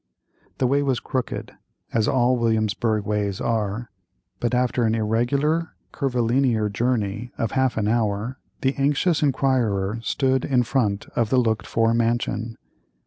The way was crooked, as all Williamsburgh ways are, but after an irregular, curvilinear journey of half an hour, the anxious inquirer stood in front of the looked for mansion.